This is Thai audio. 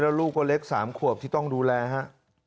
แล้วลูกก็เล็ก๓ขวบที่ต้องดูแลฮะ